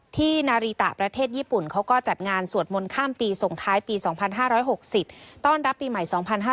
นาริตะประเทศญี่ปุ่นเขาก็จัดงานสวดมนต์ข้ามปีส่งท้ายปี๒๕๖๐ต้อนรับปีใหม่๒๕๕๙